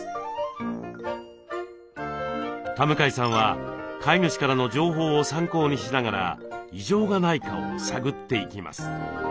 田向さんは飼い主からの情報を参考にしながら異常がないかを探っていきます。